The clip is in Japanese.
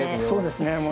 そうですね。